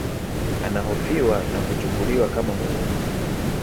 Anahofiwa na kuchukuliwa kama mungu mtu